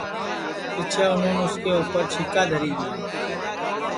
پیچھیں اُنون اُس کے اُپر چھیکا دھری دؔیا